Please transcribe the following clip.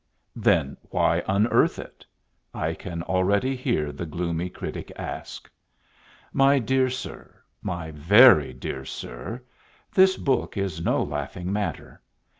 "Then why unearth it?" I can already hear the gloomy critic ask. My dear Sir, my very dear Sir, this book is no laughing matter.